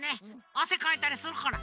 あせかいたりするから。